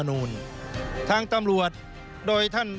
ส่วนต่างกระโบนการ